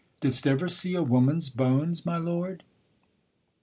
Didst ever see a woman's bones, my Lord?